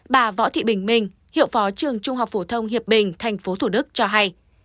bà võ thị bình minh hiệu phó trường trung học phổ thông hiệp bình tp thủ đức cho hay